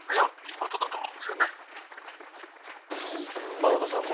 円香さん。